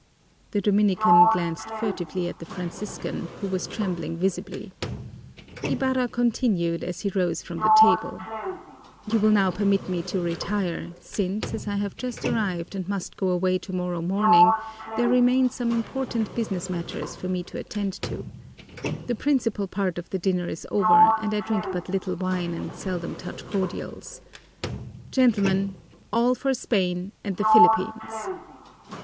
The Dominican glanced furtively at the Franciscan, who was trembling visibly. Ibarra continued as he rose from the table: "You will now permit me to retire, since, as I have just arrived and must go away tomorrow morning, there remain some important business matters for me to attend to. The principal part of the dinner is over and I drink but little wine and seldom touch cordials. Gentlemen, all for Spain and the Philippines!"